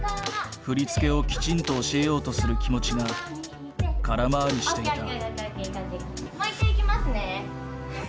振り付けをきちんと教えようとする気持ちが空回りしていた。